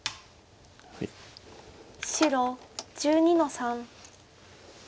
白１２の三。